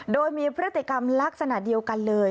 โดยมีพฤติกรรมลักษณะเดียวกันเลย